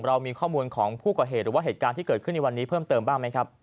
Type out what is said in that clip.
เรามีข้อมูลของผู้ก่อเหตุหรือว่าเหตุการณ์ที่เกิดขึ้นในวันนี้เพิ่มเติมบ้างไหมครับ